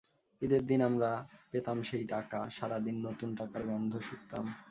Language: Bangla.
ঈদের দিন আমরা পেতাম সেই টাকা, সারা দিন নতুন টাকার গন্ধ শুঁকতাম।